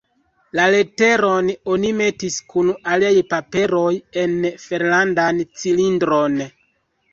La leteron oni metis kun aliaj paperoj en ferladan cilindron.